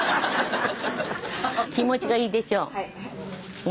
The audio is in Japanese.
気持ちがいいでしょう？